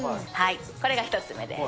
これが１つ目です。